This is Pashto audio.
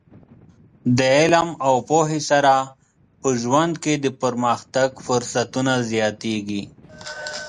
د علم او پوهې سره په ژوند کې د پرمختګ فرصتونه زیاتېږي.